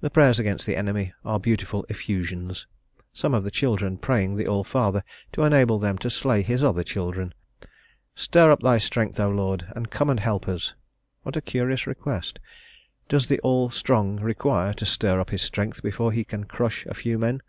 The prayers against the enemy are beautiful effusions; some of the children praying the All father to enable them to slay his other children: "Stir up thy strength, O Lord, and come and help us." What a curious request! Does the All strong require to stir up his strength before he can crush a few men?